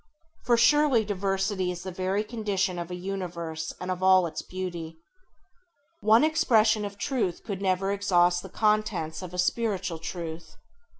For surely diversity is the very condition of a universe and of all its beauty. One expression of truth could never exhaust the contents of a spiritual truth.